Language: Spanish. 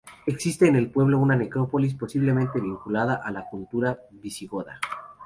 Existe en el pueblo una necrópolis posiblemente vinculada a la cultura visigoda.